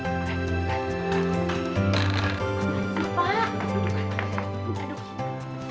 apa sih pak